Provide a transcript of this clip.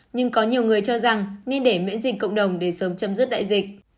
nhưng có nhiều người cho rằng nên để miễn dịch cộng đồng để sớm chấm dứt đại dịch